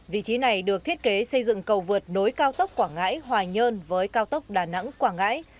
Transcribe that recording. vị trí này được thiết kế xây dựng cầu vượt nối cao tốc quảng ngãi hòa nhơn với cao tốc đà nẵng quảng ngãi